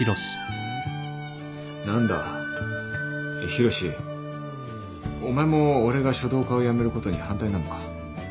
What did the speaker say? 何だ浩志お前も俺が書道家を辞めることに反対なのか？